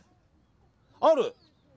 ある？